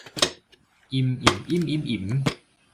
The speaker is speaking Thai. อิม อิ่ม อิ้ม อิ๊ม อิ๋ม